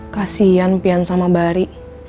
kasian pian sama bari